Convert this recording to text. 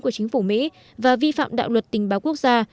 của chính phủ mỹ và vi phạm đạo luật tình báo quốc gia